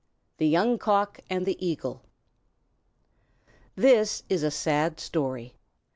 THE YOUNG COCK AND THE EAGLE This is a sad story.